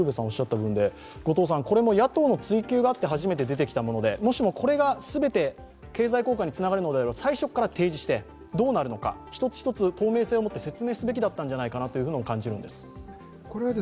まさに、これも野党の追及があって初めて出てきたもので、もしも、これが全て経済効果につながるのであれば最初から提示してどうなるのか、一つ一つ透明性を説明すべきだったんじゃないかなと感じるんです。